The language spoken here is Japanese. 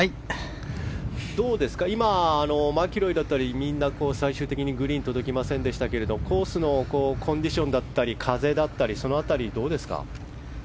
今、マキロイだったりみんな最終的にグリーンに届きませんでしたがコースのコンディションだったり風だったり、どうですか？